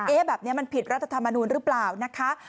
แบบนี้มันผิดรัฐธรรมนูลหรือเปล่านะคะ